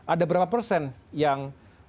ada berapa persen yang